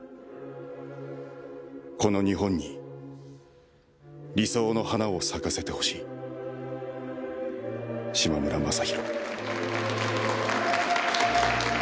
「この日本に理想の花を咲かせてほしい」「嶋村雅弘」